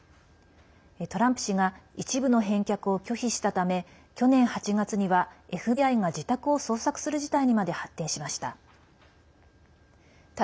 トランプ氏が一部の返却を拒否したため去年８月にはＦＢＩが自宅を捜索する事態にまで発展しました。